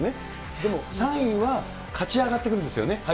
でも３位は勝ち上がってくるんですよね、